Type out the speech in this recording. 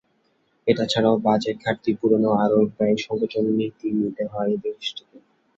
এটা ছাড়াও বাজেট ঘাটতি পূরণে আরও ব্যয় সংকোচন নীতি নিতে হয় দেশটিকে।